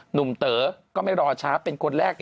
หนุ่มเตอร์ก็ไม่รอช้าเป็นคนแรก